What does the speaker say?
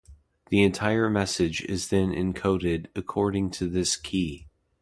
The entire message is then encoded according to this key.